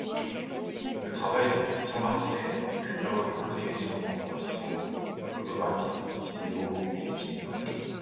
Le travail de Christian Marclay explore les connexions entre son, photographie, video, et film.